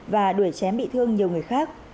và đuổi chém bị thương nhiều người khác